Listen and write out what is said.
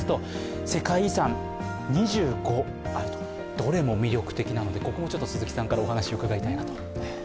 どれも魅力的なのでここも鈴木さんからお話を伺いたいと。